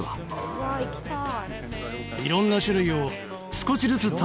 うわ行きたい。